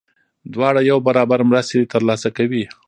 دواړه یو برابر مرستې ترلاسه کوي.